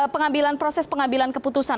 pengambilan proses pengambilan keputusan